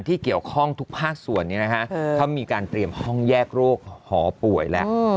ที่เกี่ยวข้องทุกภาคส่วนเขามีการเตรียมห้องแยกโรคหอป่วยแล้ว